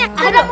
aduh aduh aduh